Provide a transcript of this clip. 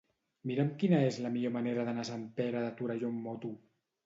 Mira'm quina és la millor manera d'anar a Sant Pere de Torelló amb moto.